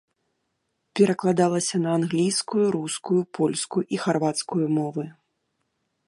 Перакладалася на англійскую, рускую, польскую і харвацкую мовы.